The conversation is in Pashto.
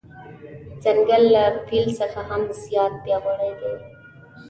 ځنګل له فیل څخه هم زیات پیاوړی دی.